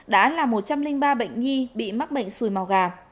đã là một trăm linh ba bệnh nhi bị mắc bệnh xùi màu gà